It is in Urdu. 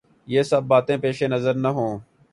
یہ سب باتیں پیش نظر نہ ہوں۔